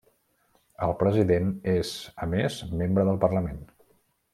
El president és a més membre del parlament.